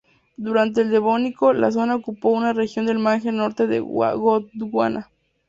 Durante el Devónico la zona ocupó una región del margen norte de Gondwana.